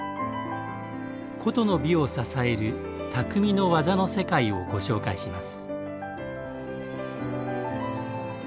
古都の美を支える「匠の技の世界」をご紹介します。